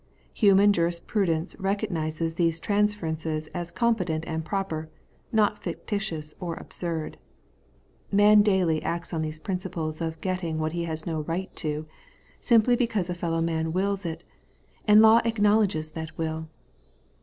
Human jurisprudence recognises these transferences as competent and proper, not fictitious or absurd. Man daily acts on these principles of getting what he has no right to, simply because a fellow man wills it, and law acknowledges that will.